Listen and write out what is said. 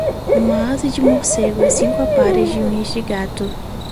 uma asa de morcego e cinco aparas de unhas de gato.